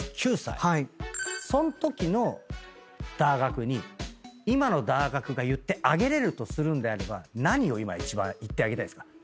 そんときのだーがくに今のだーがくが言ってあげれるとするんであれば何を今一番言ってあげたいですか？